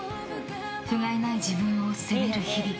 ふがいない自分を責める日々。